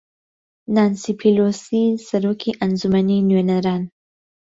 نانسی پیلۆسی سەرۆکی ئەنجومەنی نوێنەران